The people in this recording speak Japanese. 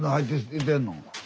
いてんの？